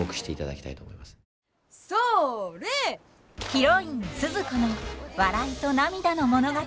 ヒロインスズ子の笑いと涙の物語。